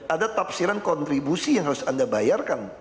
ada tafsiran kontribusi yang harus anda bayarkan